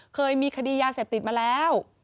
เคยมีคดียาเสพติดมาแล้ว